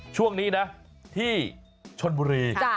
ช่วงนี้นะที่ชนบุรี